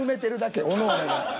おのおのが。